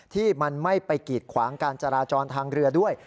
ที่มันไม่ไปกีดขวางการจราจรทางเรือด้วย